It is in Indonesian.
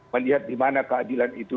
melihat dimana keadilan itu